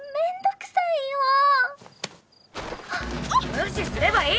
無視すればいい！